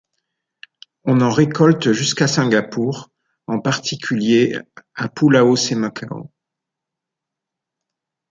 On en récolte jusqu'à Singapour en particulier à Pulau Semakau.